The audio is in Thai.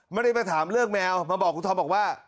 ไม่ได้มาถามเรื่องแมวมาบอกคุณธอมบอกว่า